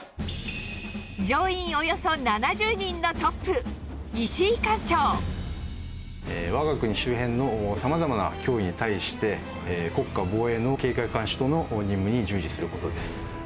乗員およそ７０人のトップ、わが国周辺のさまざまな脅威に対して、国家防衛の警戒監視等の任務に従事することです。